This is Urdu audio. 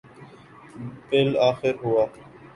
بالآخر ہوا۔